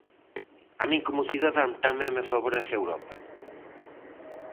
A min como cidadán tamén me favorece Europa.